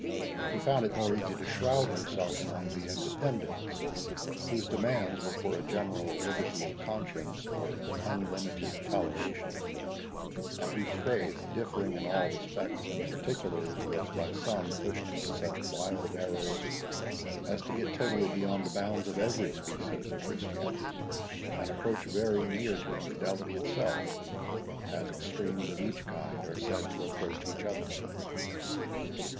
He found it more easy to shroud himself among the Independents, whose demands were for a general liberty of conscience, or an unlimited toleration, and whose faith, differing in all respects and particulars, was by some pushed into such wild errors, as to get totally beyond the bounds of every species of Christianity, and approach very near to infidelity itself, as extremes of each kind are said to approach each other.